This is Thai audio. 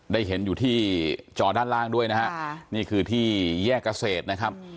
ได้เห็นอยู่ที่จอด้านล่างด้วยนะฮะนี่คือที่แยกเกษตรนะครับ